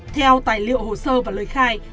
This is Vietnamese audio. theo tài liệu hồ sơ và lời khai